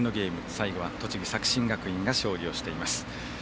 最後は栃木・作新学院が勝利をしています。